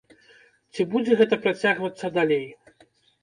Ці будзе гэта працягвацца далей?